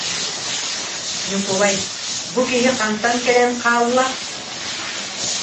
Ньукулай: «Бу киһи хантан кэлэн хаалла